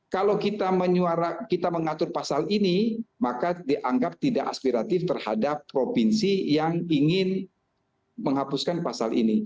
kalau kita mengatur pasal ini maka dianggap tidak aspiratif terhadap provinsi yang ingin menghapuskan pasal ini